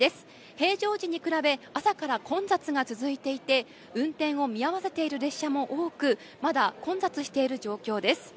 平常時に比べ、朝から混雑が続いていて、運転を見合わせている列車も多く、まだ混雑している状況です。